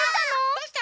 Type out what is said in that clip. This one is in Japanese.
どうした？